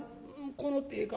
「この手か？」。